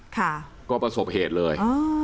ค่ะก็ประสบเหตุเลย